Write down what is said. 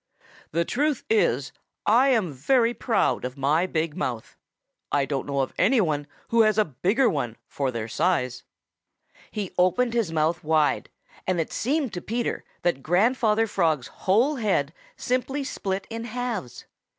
The truth is, I am very proud of my big mouth. I don't know of any one who has a bigger one for their size." He opened his mouth wide, and it seemed to Peter that Grandfather Frog's whole head simply split in halves.